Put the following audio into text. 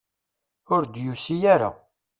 Ur d-yusi ara.